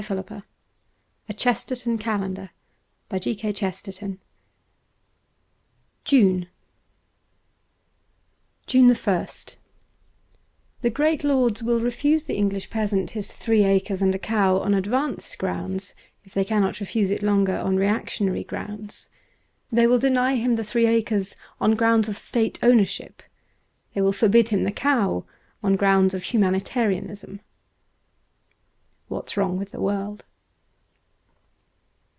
' Tremendous Trifles.' i6S •Mi*>«IHMI«IV>^' mum "WW June JUNE ist THE great lords will refuse the English peasant his three acres and a cow on advanced grounds, if they cannot refuse it longer on reactionary grounds. They will deny him the three acres on grounds of State Ownership. They will forbid him the cow on grounds of humani tarianism. * What's Wrong with the World.'